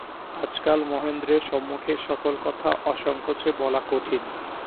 আজকাল মহেন্দ্রের সম্মুখে সকল কথা অসংকোচে বলা কঠিন।